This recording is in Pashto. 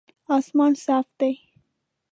اسمان صاف دی